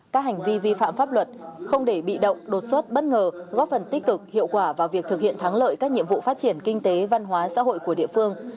các hành vi vi phạm pháp luật không để bị động đột xuất bất ngờ góp phần tích cực hiệu quả vào việc thực hiện thắng lợi các nhiệm vụ phát triển kinh tế văn hóa xã hội của địa phương